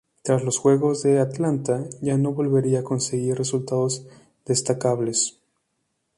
Tras los Juegos de Atlanta ya no volvería a conseguir resultados destacables.